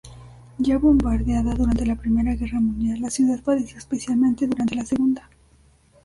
Ya bombardeada durante la Primera Guerra Mundial, la ciudad padeció especialmente durante la Segunda.